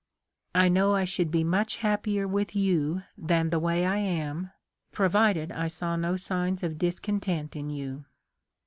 I know I should be much happier with you than the way I am, provided I saw no signs of discon tent in you.